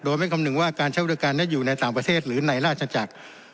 โดยไม่คำนึงว่าการใช้บริการนั้นอยู่ในต่างประเทศหรือในราชจักร